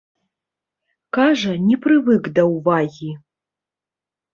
Кажа, не прывык да ўвагі.